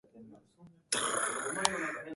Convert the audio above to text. こうして、いつも加茂川とはなれずに住まってきたのも、